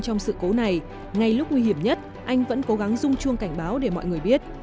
trong sự cố này ngay lúc nguy hiểm nhất anh vẫn cố gắng rung chuông cảnh báo để mọi người biết